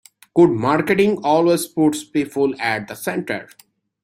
Good marketing always puts people at the center.